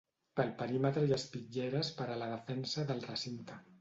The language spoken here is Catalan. Pel perímetre hi ha espitlleres per a la defensa del recinte.